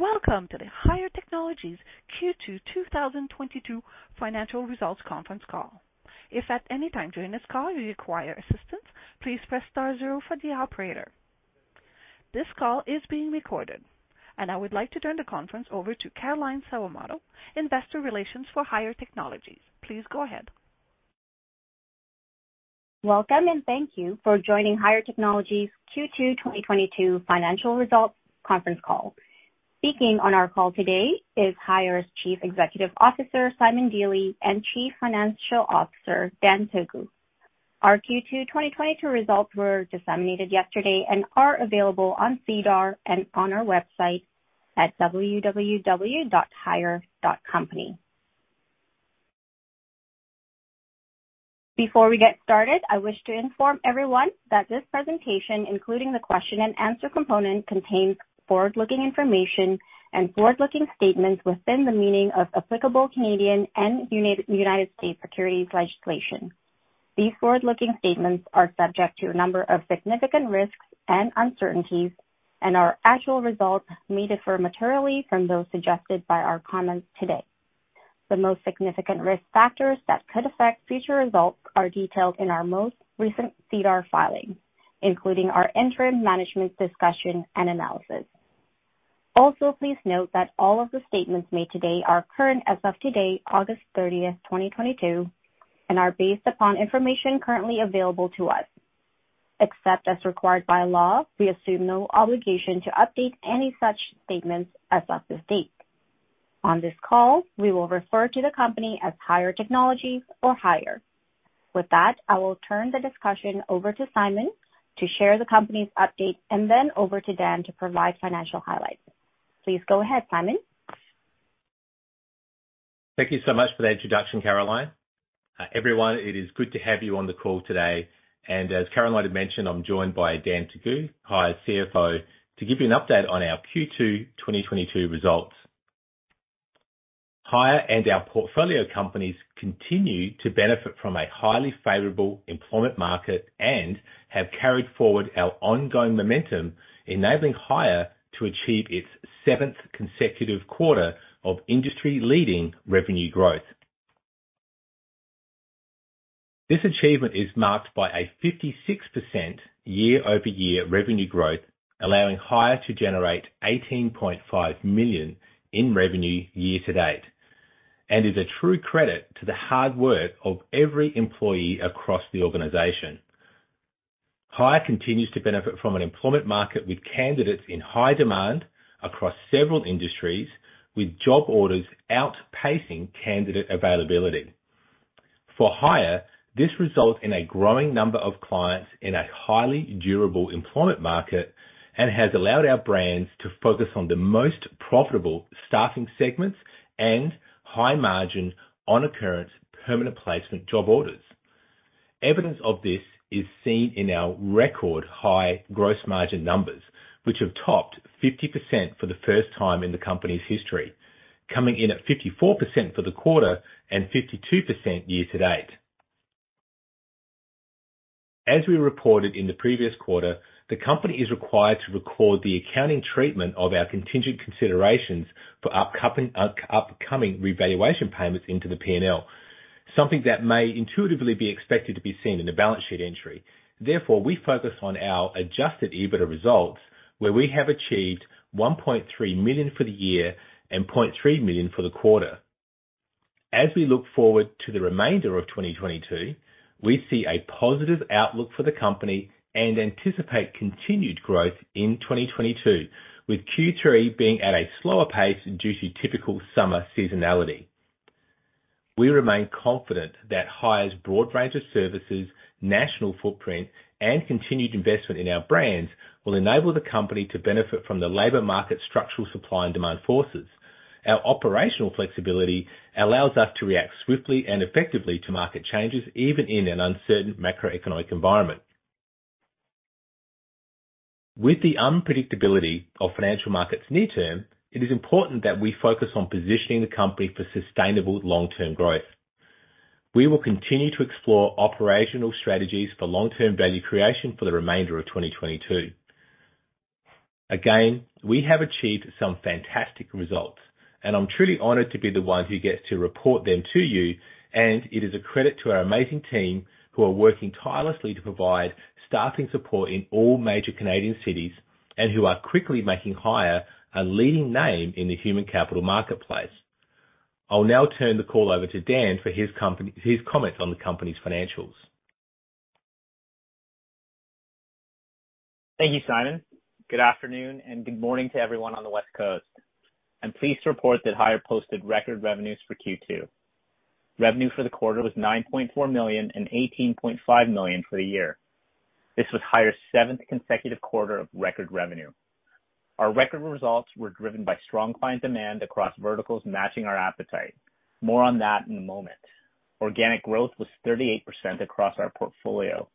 Welcome to the HIRE Technologies Q2 2022 financial results conference call. If at any time during this call you require assistance, please press star zero for the operator. This call is being recorded, and I would like to turn the conference over to Caroline Sawamoto, Investor Relations for HIRE Technologies. Please go ahead. Welcome and thank you for joining HIRE Technologies Q2 2022 financial results conference call. Speaking on our call today is HIRE's Chief Executive Officer, Simon Dealy, and Chief Financial Officer, Dan Teguh. Our Q2 2022 results were disseminated yesterday and are available on SEDAR and on our website at www.hire.company. Before we get started, I wish to inform everyone that this presentation, including the question-and-answer component, contains forward-looking information and forward-looking statements within the meaning of applicable Canadian and United States securities legislation. These forward-looking statements are subject to a number of significant risks and uncertainties, and our actual results may differ materially from those suggested by our comments today. The most significant risk factors that could affect future results are detailed in our most recent SEDAR filing, including our interim management discussion and analysis. Also, please note that all of the statements made today are current as of today, August 30, 2022, and are based upon information currently available to us. Except as required by law, we assume no obligation to update any such statements as of this date. On this call, we will refer to the company as HIRE Technologies or HIRE. With that, I will turn the discussion over to Simon to share the company's update and then over to Dan to provide financial highlights. Please go ahead, Simon. Thank you so much for the introduction, Caroline. Everyone, it is good to have you on the call today. As Caroline had mentioned, I'm joined by Dan Teguh, HIRE CFO, to give you an update on our Q2 2022 results. HIRE and our portfolio companies continue to benefit from a highly favorable employment market and have carried forward our ongoing momentum, enabling HIRE to achieve its seventh consecutive quarter of industry-leading revenue growth. This achievement is marked by a 56% year-over-year revenue growth, allowing HIRE to generate 18.5 million in revenue year to date, and is a true credit to the hard work of every employee across the organization. HIRE continues to benefit from an employment market with candidates in high demand across several industries, with job orders outpacing candidate availability. For HIRE, this results in a growing number of clients in a highly durable employment market and has allowed our brands to focus on the most profitable staffing segments and high margin on occurrence permanent placement job orders. Evidence of this is seen in our record high gross margin numbers, which have topped 50% for the first time in the company's history, coming in at 54% for the quarter and 52% year to date. As we reported in the previous quarter, the company is required to record the accounting treatment of our contingent considerations for upcoming revaluation payments into the P&L, something that may intuitively be expected to be seen in a balance sheet entry. Therefore, we focus on our adjusted EBITDA results, where we have achieved 1.3 million for the year and 0.3 million for the quarter. As we look forward to the remainder of 2022, we see a positive outlook for the company and anticipate continued growth in 2022, with Q3 being at a slower pace due to typical summer seasonality. We remain confident that HIRE's broad range of services, national footprint, and continued investment in our brands will enable the company to benefit from the labor market structural supply and demand forces. Our operational flexibility allows us to react swiftly and effectively to market changes, even in an uncertain macroeconomic environment. With the unpredictability of financial markets near term, it is important that we focus on positioning the company for sustainable long-term growth. We will continue to explore operational strategies for long-term value creation for the remainder of 2022. Again, we have achieved some fantastic results, and I'm truly honored to be the one who gets to report them to you. It is a credit to our amazing team who are working tirelessly to provide staffing support in all major Canadian cities and who are quickly making HIRE a leading name in the human capital marketplace. I'll now turn the call over to Dan for his comments on the company's financials. Thank you, Simon. Good afternoon and good morning to everyone on the West Coast. I'm pleased to report that HIRE posted record revenues for Q2. Revenue for the quarter was 9.4 million and 18.5 million for the year. This was HIRE's seventh consecutive quarter of record revenue. Our record results were driven by strong client demand across verticals matching our appetite. More on that in a moment. Organic growth was 38% across our portfolio,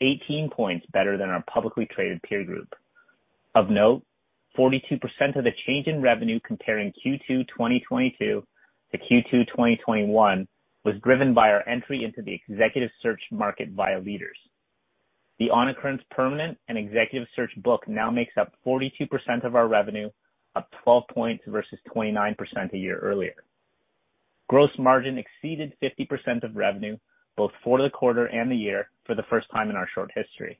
18 points better than our publicly traded peer group. Of note, 42% of the change in revenue comparing Q2 2022 to Q2 2021 was driven by our entry into the executive search market via Leaders International. The non-recurring permanent and executive search book now makes up 42% of our revenue, up 12 points versus 29% a year earlier. Gross margin exceeded 50% of revenue both for the quarter and the year for the first time in our short history.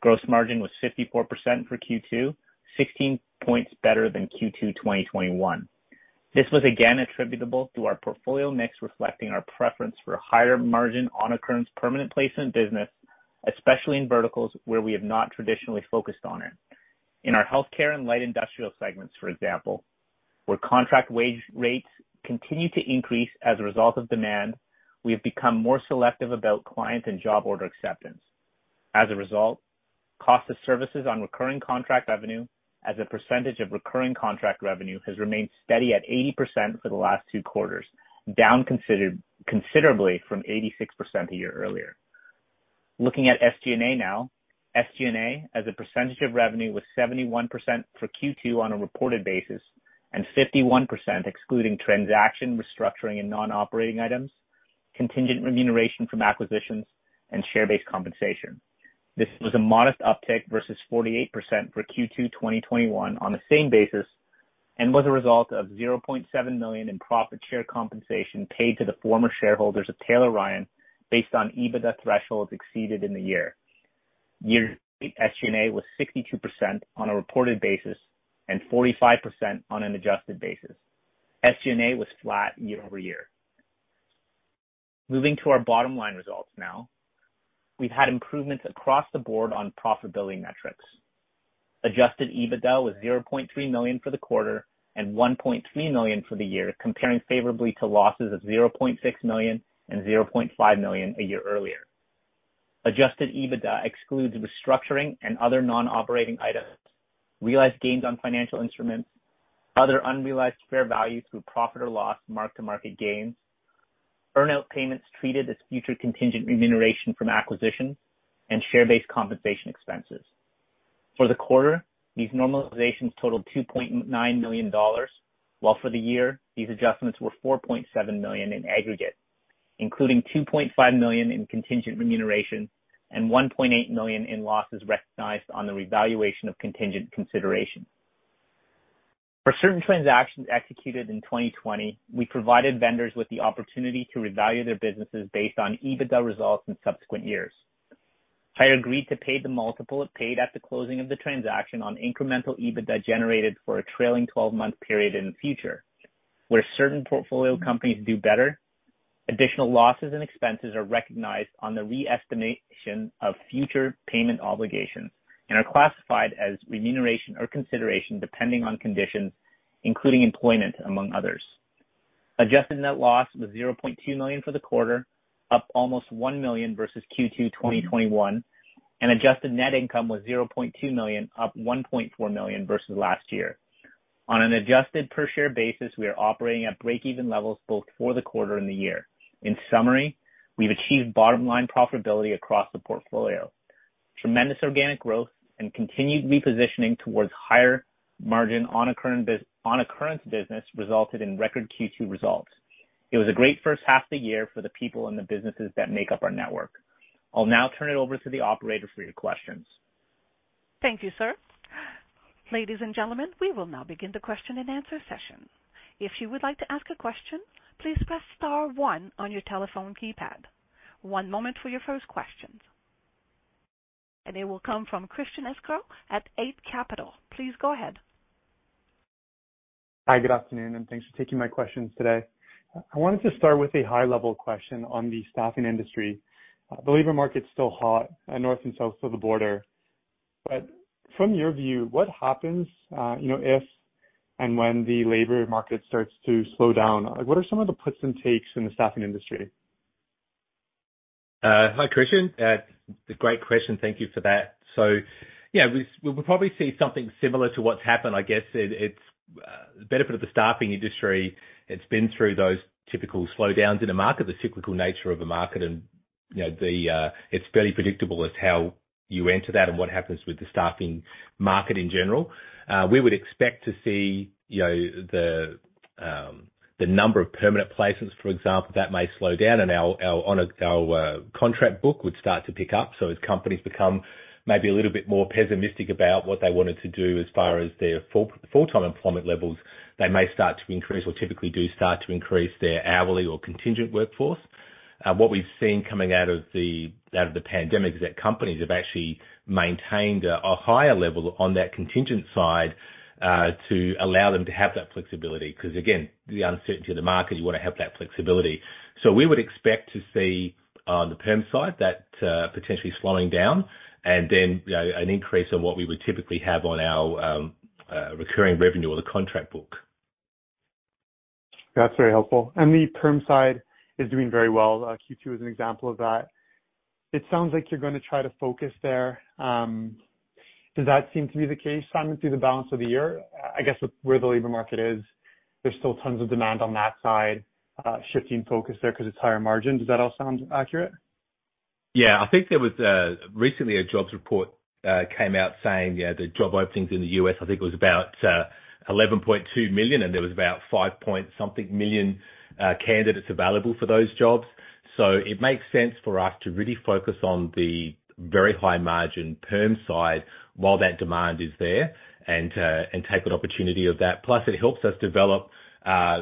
Gross margin was 54% for Q2, 16 points better than Q2 2021. This was again attributable to our portfolio mix, reflecting our preference for higher margin on occurrence permanent placement business, especially in verticals where we have not traditionally focused on it. In our healthcare and light industrial segments, for example, where contract wage rates continue to increase as a result of demand, we have become more selective about client and job order acceptance. As a result, cost of services on recurring contract revenue as a percentage of recurring contract revenue has remained steady at 80% for the last two quarters, down considerably from 86% a year earlier. Looking at SG&A now. SG&A, as a percentage of revenue, was 71% for Q2 on a reported basis, and 51% excluding transaction restructuring and non-operating items, contingent remuneration from acquisitions, and share-based compensation. This was a modest uptick versus 48% for Q2 2021 on the same basis, and was a result of 0.7 million in profit share compensation paid to the former shareholders of Taylor Ryan based on EBITDA thresholds exceeded in the year. Year SG&A was 62% on a reported basis and 45% on an adjusted basis. SG&A was flat year-over-year. Moving to our bottom line results now. We've had improvements across the board on profitability metrics. Adjusted EBITDA was 0.3 million for the quarter and 1.3 million for the year, comparing favorably to losses of 0.6 million and 0.5 million a year earlier. Adjusted EBITDA excludes restructuring and other non-operating items, realized gains on financial instruments, other unrealized fair value through profit or loss, mark-to-market gains, earnout payments treated as future contingent remuneration from acquisitions, and share-based compensation expenses. For the quarter, these normalizations totaled 2.9 million dollars, while for the year, these adjustments were 4.7 million in aggregate, including 2.5 million in contingent remuneration and 1.8 million in losses recognized on the revaluation of contingent consideration. For certain transactions executed in 2020, we provided vendors with the opportunity to revalue their businesses based on EBITDA results in subsequent years. I agreed to pay the multiple it paid at the closing of the transaction on incremental EBITDA generated for a trailing 12-month period in the future, where certain portfolio companies do better. Additional losses and expenses are recognized on the re-estimation of future payment obligations and are classified as remuneration or consideration depending on conditions, including employment, among others. Adjusted net loss was 0.2 million for the quarter, up almost 1 million versus Q2 2021, and adjusted net income was 0.2 million, up 1.4 million versus last year. On an adjusted per share basis, we are operating at break-even levels both for the quarter and the year. In summary, we've achieved bottom-line profitability across the portfolio. Tremendous organic growth and continued repositioning towards higher margin recurring business resulted in record Q2 results. It was a great first half the year for the people and the businesses that make up our network. I'll now turn it over to the operator for your questions. Thank you, sir. Ladies and gentlemen, we will now begin the question-and-answer session. If you would like to ask a question, please press star one on your telephone keypad. One moment for your first question. It will come from Christian Sgro at Eight Capital. Please go ahead. Hi. Good afternoon, and thanks for taking my questions today. I wanted to start with a high-level question on the staffing industry. I believe our market's still hot, north and south of the border. From your view, what happens, you know, if and when the labor market starts to slow down? What are some of the puts and takes in the staffing industry? Hi, Christian. Great question. Thank you for that. Yeah, we will probably see something similar to what's happened. I guess it's the benefit of the staffing industry. It's been through those typical slowdowns in the market, the cyclical nature of the market. You know. It's fairly predictable as how you enter that and what happens with the staffing market in general. We would expect to see, you know, the number of permanent placements, for example, that may slow down and our contract book would start to pick up. As companies become maybe a little bit more pessimistic about what they wanted to do as far as their full-time employment levels, they may start to increase or typically do start to increase their hourly or contingent workforce. What we've seen coming out of the pandemic is that companies have actually maintained a higher level on that contingent side to allow them to have that flexibility. 'Cause again, the uncertainty of the market, you wanna have that flexibility. We would expect to see on the perm side that potentially slowing down and then, you know, an increase in what we would typically have on our recurring revenue or the contract book. That's very helpful. The perm side is doing very well. Q2 is an example of that. It sounds like you're gonna try to focus there. Does that seem to be the case, Simon, through the balance of the year? I guess with where the labor market is, there's still tons of demand on that side, shifting focus there 'cause it's higher margin. Does that all sound accurate? Yeah. I think there was recently a jobs report came out saying, you know, the job openings in the U.S., I think it was about 11.2 million, and there was about 5 point something million candidates available for those jobs. It makes sense for us to really focus on the very high margin perm side while that demand is there and take an opportunity of that. Plus it helps us develop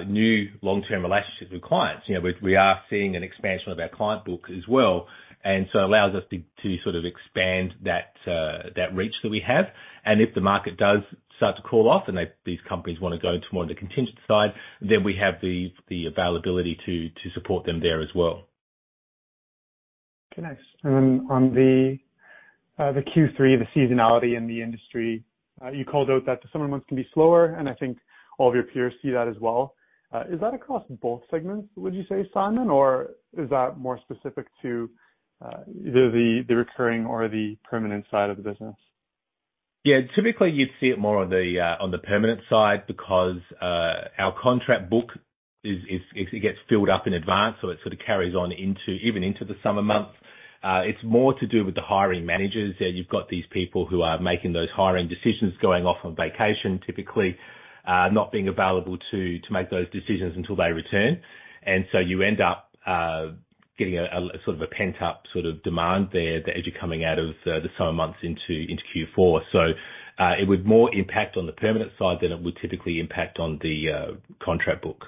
new long-term relationships with clients. You know, we are seeing an expansion of our client book as well, and so it allows us to sort of expand that reach that we have. If the market does start to cool off and these companies wanna go to more of the contingent side, then we have the availability to support them there as well. Okay, nice. On the Q3, the seasonality in the industry, you called out that the summer months can be slower, and I think all of your peers see that as well. Is that across both segments, would you say, Simon? Or is that more specific to either the recurring or the permanent side of the business? Yeah. Typically, you'd see it more on the permanent side because our contract book it gets filled up in advance, so it sort of carries on into even into the summer months. It's more to do with the hiring managers. You know, you've got these people who are making those hiring decisions going off on vacation, typically, not being available to make those decisions until they return. You end up getting a sort of a pent-up sort of demand there as you're coming out of the summer months into Q4. It would more impact on the permanent side than it would typically impact on the contract book.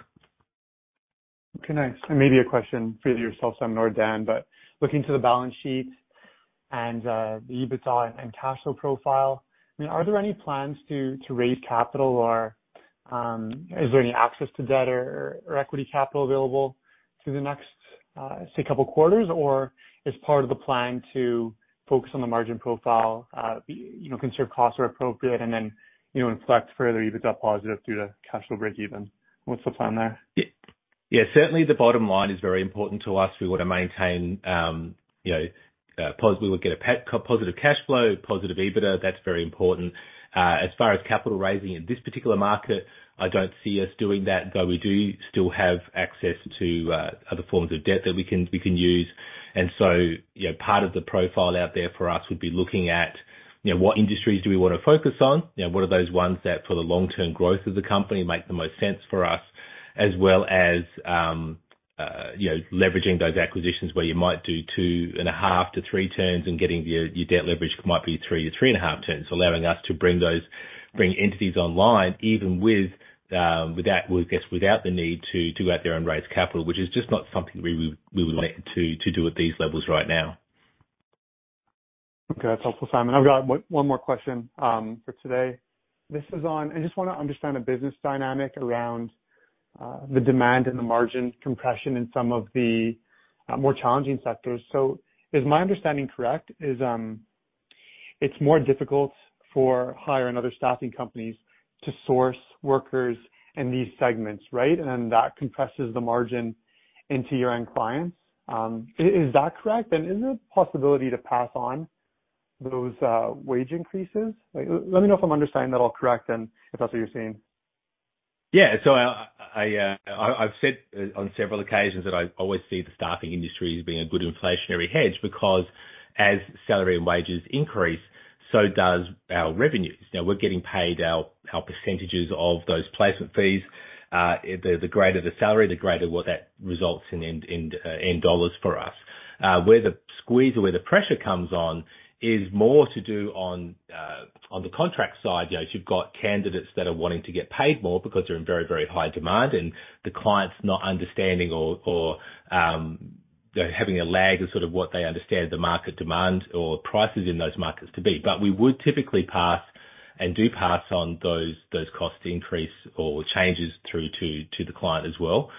Okay, nice. Maybe a question for either yourself, Simon or Dan, but looking to the balance sheet and the EBITDA and cash flow profile, I mean, are there any plans to raise capital or is there any access to debt or equity capital available through the next say couple quarters? Or is part of the plan to focus on the margin profile, you know, conserve costs where appropriate and then, you know, inflect further EBITDA positive through the cash flow breakeven? What's the plan there? Yeah. Certainly the bottom line is very important to us. We want to maintain, you know, positive cash flow, positive EBITDA. That's very important. As far as capital raising in this particular market, I don't see us doing that, though we do still have access to other forms of debt that we can use. You know, part of the profile out there for us would be looking at, you know, what industries do we wanna focus on. You know, what are those ones that for the long-term growth of the company make the most sense for us as well as, you know, leveraging those acquisitions where you might do 2.5-3 turns and getting your debt leverage might be 3-3.5 turns, allowing us to bring those entities online even without the need to go out there and raise capital, which is just not something we would like to do at these levels right now. Okay. That's helpful, Simon. I've got one more question for today. This is on. I just wanna understand the business dynamic around the demand and the margin compression in some of the more challenging sectors. Is my understanding correct? It's more difficult for HIRE and other staffing companies to source workers in these segments, right? And that compresses the margin into your end clients. Is that correct? And is there a possibility to pass on those wage increases? Like, let me know if I'm understanding that all correct and if that's what you're seeing. Yeah. I've said on several occasions that I always see the staffing industry as being a good inflationary hedge because as salary and wages increase, so does our revenues. Now we're getting paid our percentages of those placement fees. The greater the salary, the greater what that results in dollars for us. Where the squeeze or where the pressure comes on is more to do on the contract side, you know, if you've got candidates that are wanting to get paid more because they're in very, very high demand and the client's not understanding or they're having a lag of sort of what they understand the market demand or prices in those markets to be. We would typically pass and do pass on those cost increases or changes through to the client as well,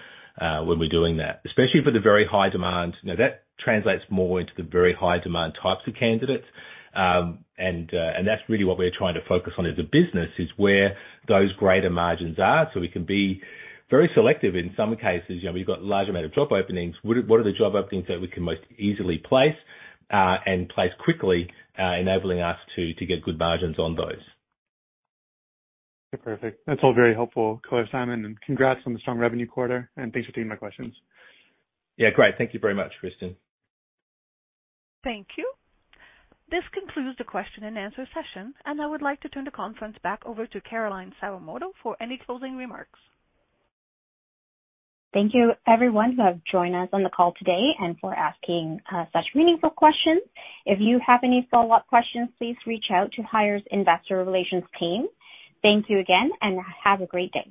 when we're doing that, especially for the very high demand. Now that translates more into the very high demand types of candidates. That's really what we're trying to focus on as a business is where those greater margins are, so we can be very selective in some cases. You know, we've got large amount of job openings. What are the job openings that we can most easily place and place quickly, enabling us to get good margins on those? Perfect. That's all very helpful, Simon, and congrats on the strong revenue quarter, and thanks for taking my questions. Yeah, great. Thank you very much, Christian. Thank you. This concludes the question-and-answer session, and I would like to turn the conference back over to Caroline Sawamoto for any closing remarks. Thank you everyone who have joined us on the call today and for asking such meaningful questions. If you have any follow-up questions, please reach out to HIRE's investor relations team. Thank you again, and have a great day.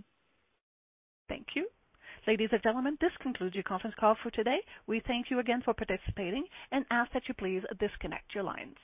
Thank you. Ladies and gentlemen, this concludes your conference call for today. We thank you again for participating and ask that you please disconnect your lines.